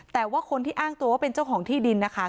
แต่ว่าคนที่อ้างตัวว่าเป็นเจ้าของที่ดินนะคะ